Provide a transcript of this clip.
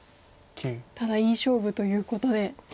ただいい勝負ということで。